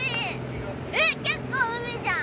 えっ結構海じゃん！